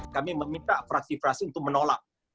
kami meminta fraksi fraksi untuk menolak